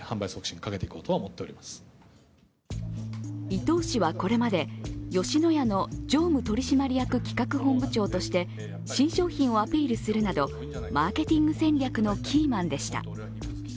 伊東氏はこれまで、吉野家の常務取締役企画本部長として新商品をアピールなどマーケティング戦略のキーマンでした。